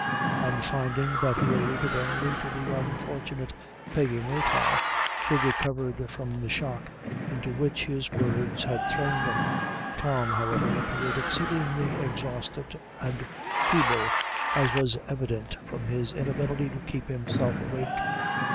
On finding that he alluded only to the unfortunate Peggy Murtagh, they recovered from the shock into which his words had thrown them. Tom, however, appeared exceedingly exhausted and feeble, as was evident from his inability to keep himself awake.